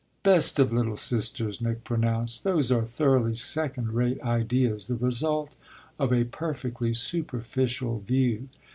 "Best of little sisters," Nick pronounced, "those are thoroughly second rate ideas, the result of a perfectly superficial view.